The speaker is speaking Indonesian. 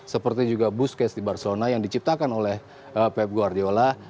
seperti juga busques di barcelona yang diciptakan oleh pep guardiola